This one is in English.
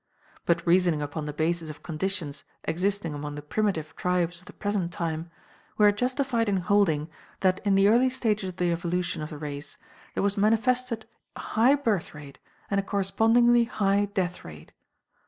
But reasoning upon the basis of conditions existing among the primitive tribes of the present time we are justified in holding that in the early stages of the evolution of the race there was manifested a high birth rate and a correspondingly high death rate.